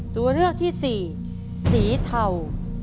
ตัวเลือกที่สี่สีเทา